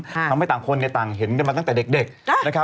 ทำให้ต่างคนต่างเห็นมาตั้งแต่เด็ก